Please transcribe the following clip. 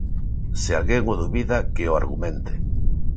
Se alguén o dubida que o argumente.